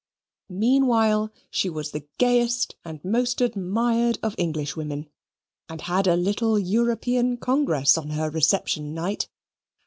Meanwhile, she was the gayest and most admired of Englishwomen: and had a little European congress on her reception night.